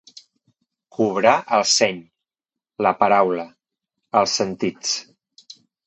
Cobrar el seny, la paraula, els sentits.